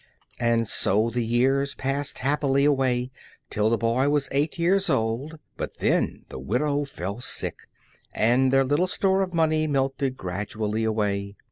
And so the years passed happily away till the boy was eight years old, but then the widow fell sick, and their little store of money melted gradually away.